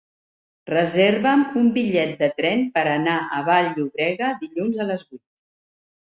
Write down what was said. Reserva'm un bitllet de tren per anar a Vall-llobrega dilluns a les vuit.